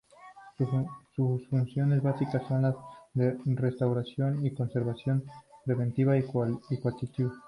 Sus funciones básicas son las de restauración y conservación preventiva y curativa.